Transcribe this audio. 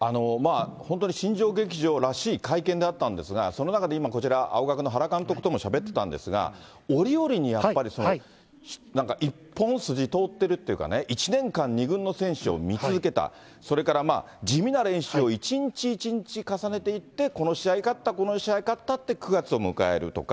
本当に新庄劇場らしい会見であったんですが、その中で今、こちら、青学の原監督ともしゃべってたんですが、折々にやっぱり一本筋通ってるっていうかね、１年間、２軍の選手を見続けた、それから地味な練習を一日一日重ねていって、この試合勝った、この試合勝ったって９月を迎えるとか。